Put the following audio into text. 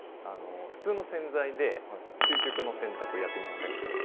あの普通の洗剤で究極の洗濯やってみませんか？